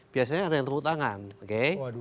biasanya ada yang tepuk tangan oke